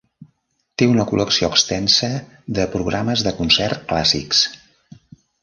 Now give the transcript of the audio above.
Té una col·lecció extensa de programes de concert clàssics.